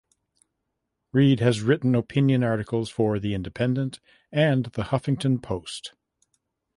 Reid has written opinion articles for "The Independent" and "The Huffington Post".